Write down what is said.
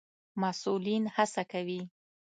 مسئولين هڅه کوي